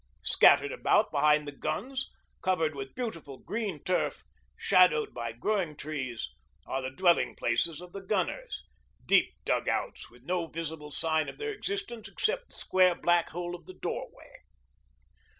Scattered about behind the guns, covered with beautiful green turf, shadowed by growing trees, are the dwelling places of the gunners, deep 'dug outs,' with no visible sign of their existence except the square, black hole of the doorway.